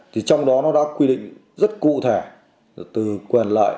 thì trong đó nó đã quy định rất cụ thể từ quyền lợi